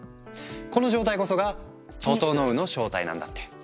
この状態こそが「ととのう」の正体なんだって。